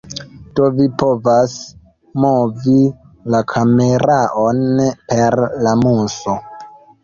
Do vi povas movi la kameraon per la muso.